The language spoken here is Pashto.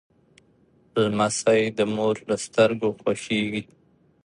لمسی د مور له سترګو خوښیږي.